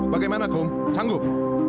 bagaimana kum sanggup